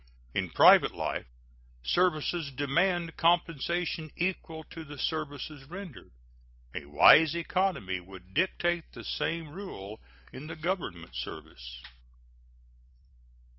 In private life services demand compensation equal to the services rendered; a wise economy would dictate the same rule in the Government service.